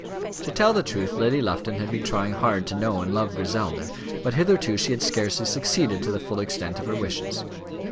To tell the truth, Lady Lufton had been trying hard to know and love Griselda, but hitherto she had scarcely succeeded to the full extent of her wishes.